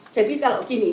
jadi kalau gini